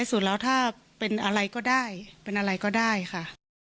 สุดแล้วถ้าเป็นอะไรก็ได้เป็นอะไรก็ได้ค่ะ